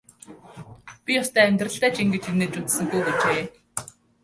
Би ёстой амьдралдаа ч ингэж инээж үзсэнгүй гэжээ.